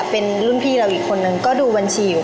เป็นรุ่นพี่เราอีกคนนึงก็ดูบัญชีอยู่